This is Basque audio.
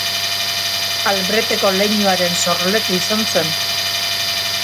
Albreteko leinuaren sorleku izan zen.